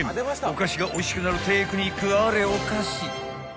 おかしがおいしくなるテクニックあれおかし］